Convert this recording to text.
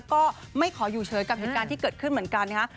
ก็ไม่ขออยู่เฉยกับเหตุการณ์ที่เกิดขึ้นเหมือนกันนะฮะ